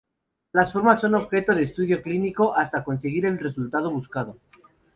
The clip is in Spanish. Las formas son objeto de estudio clínico, hasta conseguir el resultado buscado.